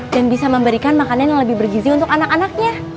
dan bisa memberikan makanan yang lebih bergizi untuk anak anaknya